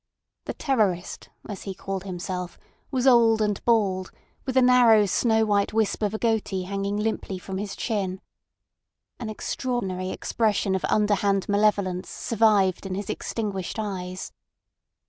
The terrorist, as he called himself, was old and bald, with a narrow, snow white wisp of a goatee hanging limply from his chin. An extraordinary expression of underhand malevolence survived in his extinguished eyes.